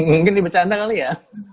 mungkin di bercanda kali ya